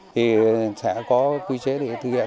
thì sẽ có quy chế để thực hiện